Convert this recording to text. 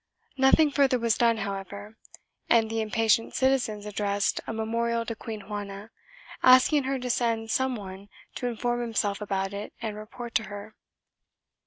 Nothing further was done, however, and the impatient citizens addressed a memorial to Queen Juana, asking her to send some one to inform himself about it and report to her.